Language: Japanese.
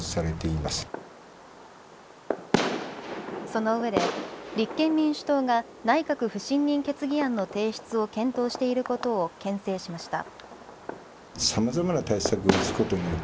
そのうえで立憲民主党が内閣不信任決議案の提出を検討していることをけん制しました。